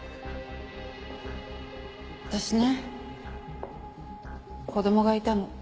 私ね子供がいたの。